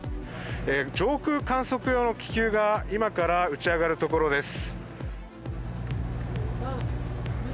上空観測用の気球が今から打ち上がるところです。